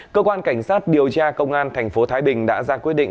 cơ quan cảnh sát điều tra công an thành phố thái bình đã ra quyết định